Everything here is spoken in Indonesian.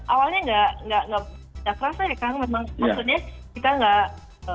awalnya enggak enggak enggak kerasa ya kang maksudnya kita enggak